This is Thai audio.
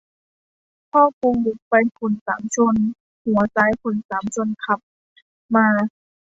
พ่อกูไปขุนสามชน หัวซ้ายขุนสามชนขับมา